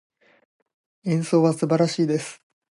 演奏は素晴らしいです。